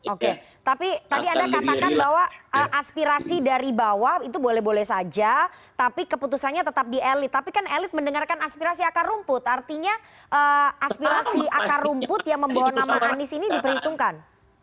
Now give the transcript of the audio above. oke tapi tadi anda katakan bahwa aspirasi dari bawah itu boleh boleh saja tapi keputusannya tetap di elit tapi kan elit mendengarkan aspirasi akar rumput artinya aspirasi akar rumput yang membawa nama anies ini diperhitungkan